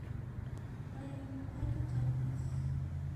Pararimunqachus kanpis